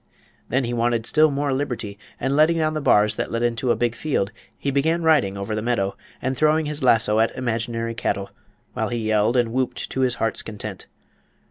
Then he wanted still more liberty, and letting down the bars that led into a big field he began riding over the meadow and throwing his lasso at imaginary cattle, while he yelled and whooped to his heart's content.